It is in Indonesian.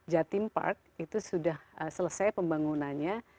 jatim park itu sudah selesai pembangunannya